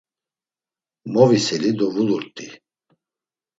Moviseli do vulurt̆i.